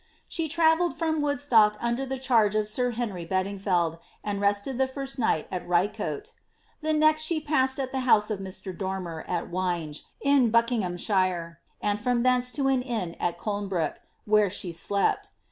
She travelled from Woodstock under the charge of sir Henry Beding ield, and rested the first night at Ricote.^ The next she passed at the house of Mr. Dormer, at Winge, in Buckinghamshire, and from thence to an inn at Colnebrook, where she slept.